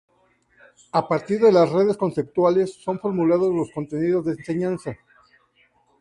A partir de las redes conceptuales son formulados los contenidos de enseñanza.